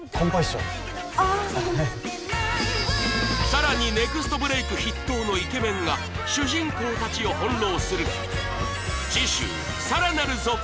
さらにネクストブレイク筆頭のイケメンが主人公たちを翻弄する